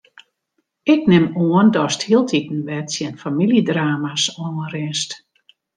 Ik nim oan datst hieltyd wer tsjin famyljedrama's oanrinst?